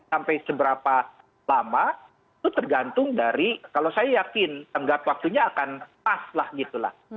sampai seberapa lama itu tergantung dari kalau saya yakin tenggat waktunya akan pas lah gitu lah